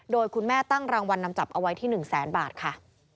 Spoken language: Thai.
โดยคุณแม่ตั้งรางวัลนำจับเอาไว้ที่๑แสนบาทค่ะ